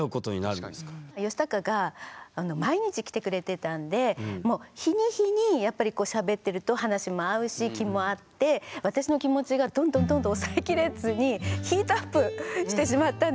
ヨシタカが毎日来てくれてたんでもう日に日にやっぱりこうしゃべってると話も合うし気も合って私の気持ちがどんどんどんどん抑えきれずにヒートアップしてしまったんですよ。